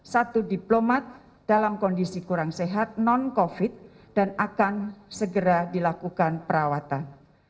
satu diplomat dalam kondisi kurang sehat non covid dan akan segera dilakukan perawatan